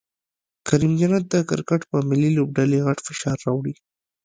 کریم جنت د کرکټ په ملي لوبډلې غټ فشار راوړي